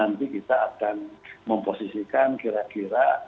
nanti kita akan memposisikan kira kira